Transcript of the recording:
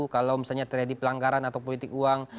kalau misalnya terjadi pelanggaran atau politik uang